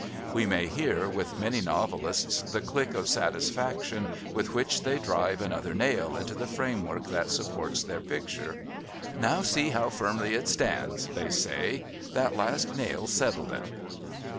We may hear, with many novelists, the click of satisfaction with which they drive another nail into the framework that supports their picture. "Now see how firmly it stands," they say. "That last nail settled it."